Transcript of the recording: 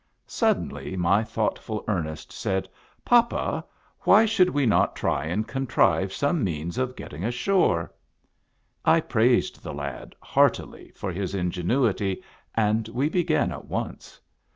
Suddenly my thoughtful Ernest said, " Papa, why should we not try and contrive some means of getting ashore?" I praised the lad heartily for his ingenuity, and we began at once.